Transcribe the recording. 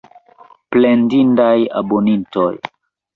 Plendindaj abonintoj!